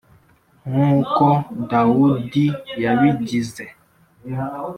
Nk’uko Dawudi yabigize,